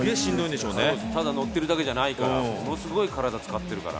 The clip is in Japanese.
ただ乗ってるだけじゃないからものすごく体使ってるから。